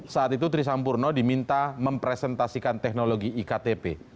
saat itu tri sampurno diminta mempresentasikan teknologi iktp